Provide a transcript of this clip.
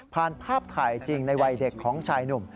ภาพถ่ายจริงในวัยเด็กของชายหนุ่ม